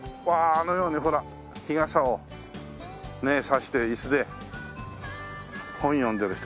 あのようにほら日傘をね差してイスで本を読んでる人。